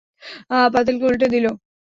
পাতিলকে উল্টে দিল।